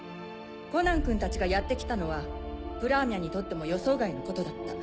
コナン君たちがやって来たのはプラーミャにとっても予想外のことだった。